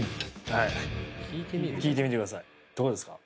はい聞いてみてくださいどうですか？